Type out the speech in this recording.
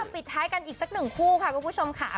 ปิดท้ายกันอีกสักหนึ่งคู่ค่ะคุณผู้ชมค่ะ